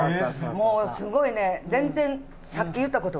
もうすごいね。